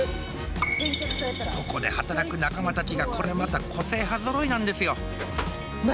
ここで働く仲間たちがこれまた個性派ぞろいなんですよ